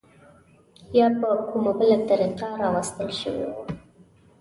یا په کومه بله طریقه راوستل شوي وو.